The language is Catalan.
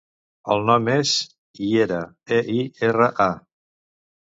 El nom és Eira: e, i, erra, a.